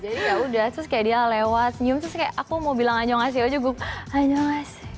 jadi yaudah terus kayak dia lewat senyum terus kayak aku mau bilang anjong asio juga anjong asio